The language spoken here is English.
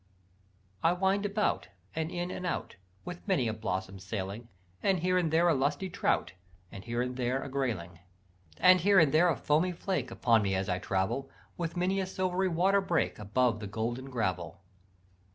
"I wind about, and in and out, With many a blossom sailing, And here and there a lusty trout, And here and there a grayling. "And here and there a foamy flake Upon me as I travel, With many a silvery waterbreak Above the golden gravel.